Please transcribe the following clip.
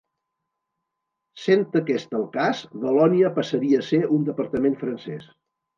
Sent aquest el cas, Valònia passaria a ser un departament francès.